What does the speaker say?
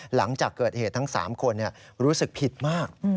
หลังจากเกิดเหตุทั้ง๓คนรู้สึกผิดมาก